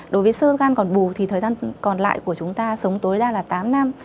đối với sơ gan còn bù thì thời gian còn lại của chúng ta sống tối đa là tám năm